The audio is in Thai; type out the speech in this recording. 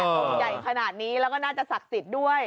องค์ใหญ่ขนาดนี้แล้วก็น่าจะศักดิ์สิทธิ์ด้วย